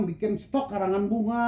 bikin stok harangan bunga